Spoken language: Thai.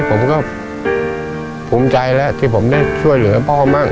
ผมก็ภูมิใจแล้วที่ผมได้ช่วยเหลือพ่อมาก